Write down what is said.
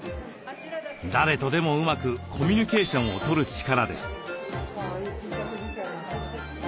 誰とでもうまくコミュニケーションをとる力です。